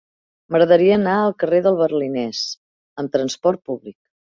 M'agradaria anar al carrer del Berlinès amb trasport públic.